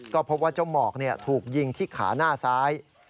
ก็พบว่าเจ้าหมอกถูกยิงที่ขาหน้าซ้าย